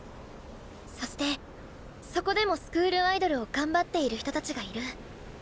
そしてそこでもスクールアイドルを頑張っている人たちがいる。